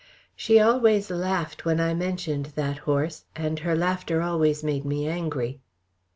She always laughed when I mentioned that horse, and her laughter always made me angry.